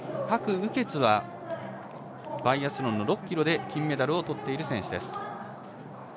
郭雨潔はバイアスロンの６ｋｍで金メダルをとっている選手です。